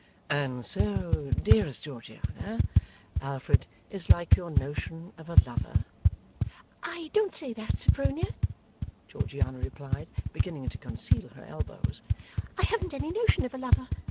'And so, dearest Georgiana, Alfred is like your notion of a lover?' 'I don't say that, Sophronia,' Georgiana replied, beginning to conceal her elbows. 'I haven't any notion of a lover.